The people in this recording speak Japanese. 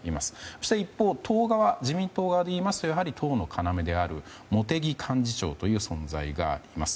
そして一方、自民党側でいいますと党の要である茂木幹事長という存在があります。